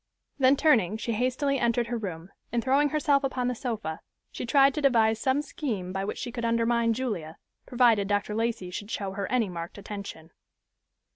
Then turning, she hastily entered her room, and throwing herself upon the sofa, she tried to devise some scheme by which she could undermine Julia, provided Dr. Lacey should show her any marked attention.